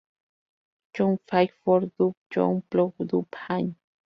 You Fight for Dub, You Plug Dub In".